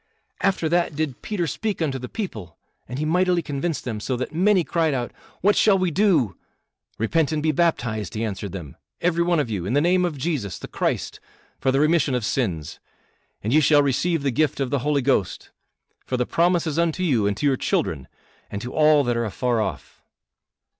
After that did Peter speak unto the people, and he mightily convinced them, so that many cried out, 'What shall we do?' 'Repent and be baptized,' he answered them, 'every one of you, in the name of Jesus, the Christ, for the remission of sins, and ye shall receive the gift of the Holy Ghost. For the promise is unto you, and to your children, and to all that are afar off."